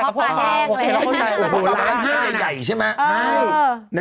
กอบกว่าแห้งเลยโอ้โหล้านเฮ้นแย่ใช่มั้ยใช่